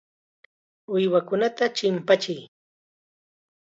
Uywakunata chimpachiy.